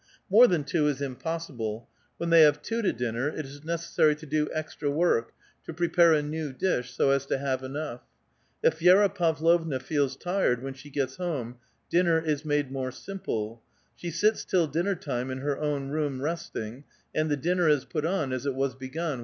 More than two is impossible ; when they have two to dinner, it is neces sary to do extra work, to prepare a new dish so as to have enough. If Vi^ra Pavlovna feels tired when she gets home, dinner is made more simple. She sits till dinner time in her own room, resting, and the dinner is put on as it was begun, A VITAL QUESTION.